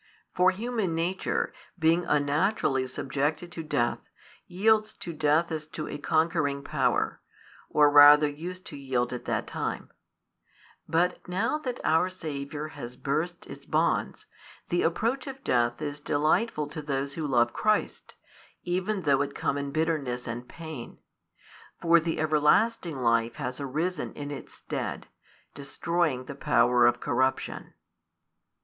For human nature, being unnaturally subjected to death, yields to death as to a conquering power, or rather used to yield at that time: but now that our Saviour has burst its bonds, the approach of death is delightful to those who love Christ, even though it come in bitterness and pain. For the everlasting life has arisen in its stead, destroying the power of corruption.